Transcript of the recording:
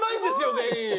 全員。